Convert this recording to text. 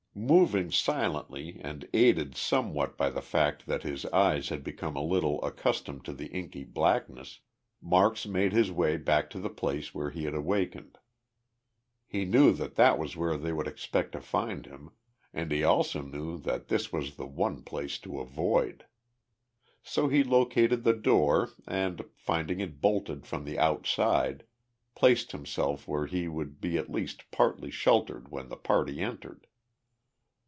Moving silently and aided somewhat by the fact that his eyes had become a little accustomed to the inky blackness, Marks made his way back to the place where he had awakened. He knew that that was where they would expect to find him and he also knew that this was the one place to avoid. So he located the door and, finding it bolted from the outside, placed himself where he would be at least partly sheltered when the party entered.